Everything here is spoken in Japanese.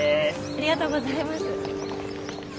ありがとうございます。